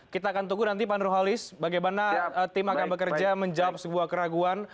kita akan tunggu nanti pak nurholis bagaimana tim akan bekerja menjawab sebuah keraguan